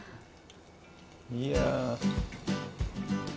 いや。